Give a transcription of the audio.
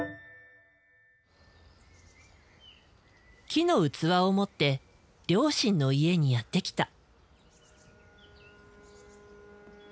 木の器を持って両親の家にやって来た。